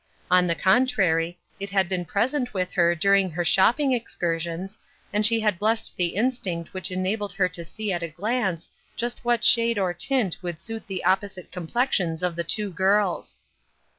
On the contrary, it had been present with her during her shopping excursions, and she had blessed the instinct which enabled her to see at a glance just what shade or tint would suit the opposite complexions of the two girls.